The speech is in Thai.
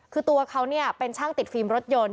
คือตัวเขาเป็นช่างติดฟิล์มรถยนต์